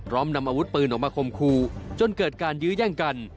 นำอาวุธปืนออกมาคมคู่จนเกิดการยื้อแย่งกัน